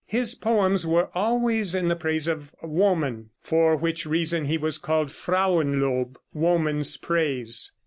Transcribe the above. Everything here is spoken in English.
His poems were always in the praise of woman, for which reason he was called Frauenlob ("Woman's Praise").